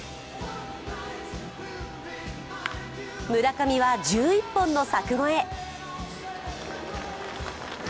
村上は１１本の柵越え。